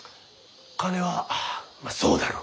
金はまあそうだろうが。